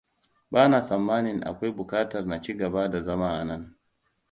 Bana tsammanin akwai bukatar na ci gaba da zama anan.